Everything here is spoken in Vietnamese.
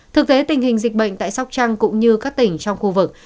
thực tế tình hình dịch bệnh tại sóc trăng cũng như các tỉnh trong khu vực